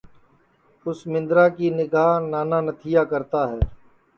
اُس مندرا کی نیگھا نانا نتھیا کرتا ہے